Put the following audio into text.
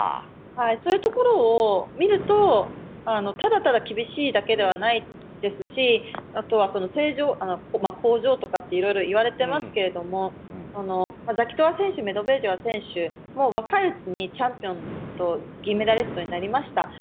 そういうところを見るとただただ厳しいだけではないですしあとは、工場とかっていろいろ言われてますけどもザギトワ選手メドベージェワ選手も若いうちにチャンピオンと銀メダリストになりました。